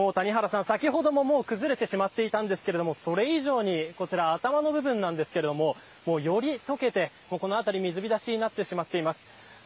谷原さん、先ほども崩れてしまっていたんですがそれ以上に頭の部分なんですけれどもより、解けてこの辺り水浸しになってしまっています。